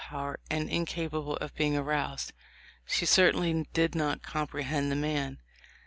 will power and incapable of being aroused, she certainly did not comprehend the man.